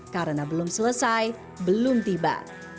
karena belum selesai belum tiba